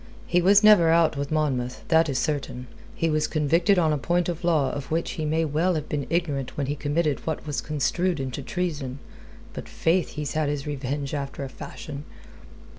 He was never out with Monmouth; that is certain. He was convicted on a point of law of which he may well have been ignorant when he committed what was construed into treason. But, faith, he's had his revenge, after a fashion."